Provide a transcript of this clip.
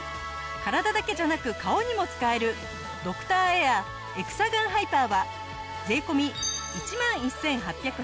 体だけじゃなく顔にも使えるドクターエアエクサガンハイパーは税込１万１８８０円。